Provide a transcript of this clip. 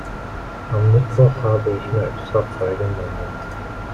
Am Mittwoch habe ich mir extra freigenommen.